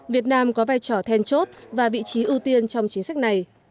việt nam có vai trò then chốt và vị trí ưu tiên trong chính sách này